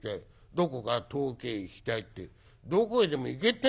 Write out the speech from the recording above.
どこか遠くへ行きたい』ってどこへでも行けってんですよ。